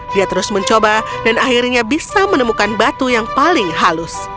dia terus mencoba dan akhirnya bisa menemukan batu yang paling halus